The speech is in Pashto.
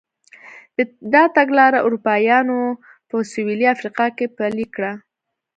دا تګلاره اروپایانو په سوېلي افریقا کې پلې کړه.